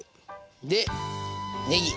でねぎ。